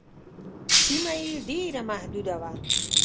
سیمه یې ډېره محدوده وه.